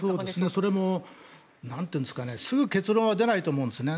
それもすぐ結論は出ないと思うんですね。